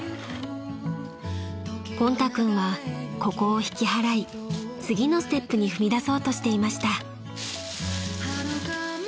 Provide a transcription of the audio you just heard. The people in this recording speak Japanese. ［ポンタ君はここを引き払い次のステップに踏み出そうとしていました］